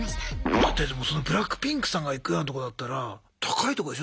だってでもＢＬＡＣＫＰＩＮＫさんが行くようなとこだったら高いとこでしょ。